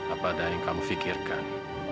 apa ada yang kamu pikirkan